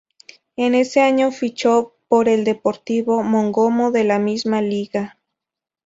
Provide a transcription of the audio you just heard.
En ese año fichó por el Deportivo Mongomo de la misma liga.